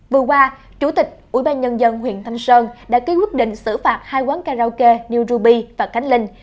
vừa qua chủ tịch ubnd huyện thanh sơn đã ký quyết định xử phạt hai quán karaoke new ruby và cánh linh